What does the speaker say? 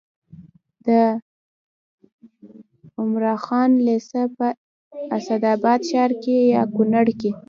د عمراخان لېسه په اسداباد ښار یا کونړ کې